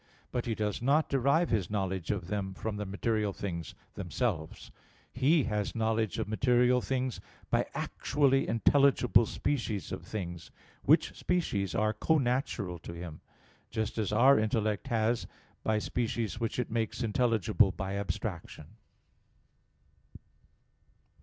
But he does not derive his knowledge of them from the material things themselves; he has knowledge of material things by actually intelligible species of things, which species are connatural to him; just as our intellect has, by species which it makes intelligible by abstraction.